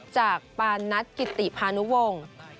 จากปานัทกิติพานุวงศ์